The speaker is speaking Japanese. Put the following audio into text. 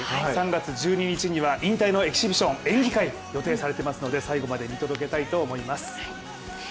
３月１２日には引退のエキシビション演技会、予定されてますので最後まで見届けたいと思います。